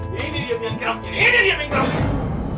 nah ini dia pengen kerap ini dia pengen kerap